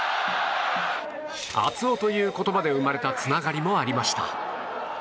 熱男という言葉で生まれたつながりもありました。